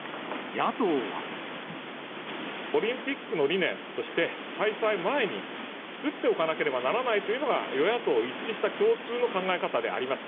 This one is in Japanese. オリンピックの理念として、開催前に作っておかなければならないというのが、与野党一致した共通の考え方であります。